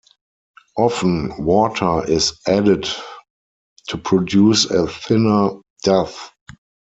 Often, water is added to produce a thinner dough.